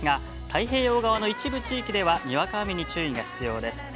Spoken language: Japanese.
太平洋側の一部地域では、にわか雨に注意が必要です。